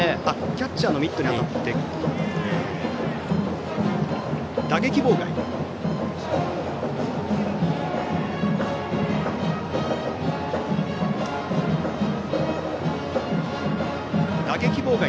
キャッチャーのミットに当たって打撃妨害。